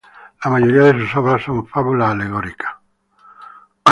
La mayoría de sus obras son fábulas alegóricas.